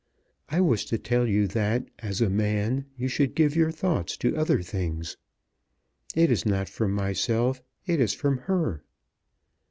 I was to tell you that as a man you should give your thoughts to other things. It is not from myself; it is from her."